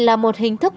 là một hình thức